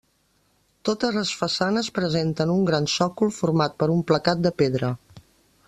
Totes les façanes presenten un gran sòcol format per un placat de pedra.